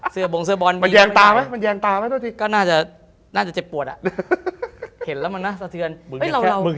เสือบวงเสือบอลเยียงตาไหม